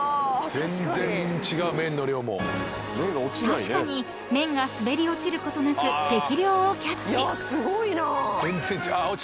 ［確かに麺が滑り落ちることなく適量をキャッチ］